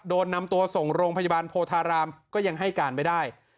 โดนนำตัวส่งโรงพยาบาลโพธารามก็ยังให้การไม่ได้